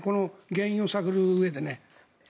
原因を探るうえでね。